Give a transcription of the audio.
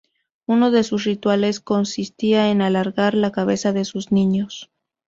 Uno de sus rituales consistía en alargar la cabeza de sus niños.